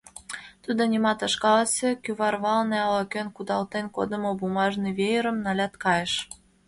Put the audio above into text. Тудо нимат ыш каласе, кӱварвалне ала-кӧн кудалтен кодымо бумажный веерым налят, кайыш.